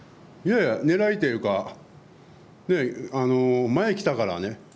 狙いというか前に来たからね。